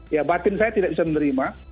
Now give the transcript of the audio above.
ya batin saya tidak bisa menerima